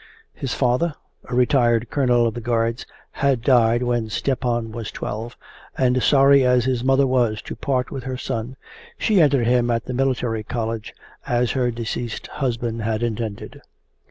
His father, a retired colonel of the Guards, had died when Stepan was twelve, and sorry as his mother was to part from her son, she entered him at the Military College as her deceased husband had intended.